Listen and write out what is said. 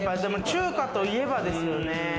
中華といえばですよね。